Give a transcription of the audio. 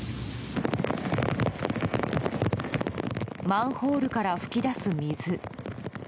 マンホールから噴き出す水。